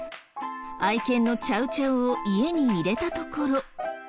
愛犬のチャウチャウを家に入れたところ。